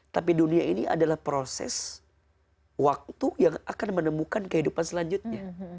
tapi dunia ini adalah proses waktu yang akan menemukan kehidupan selanjutnya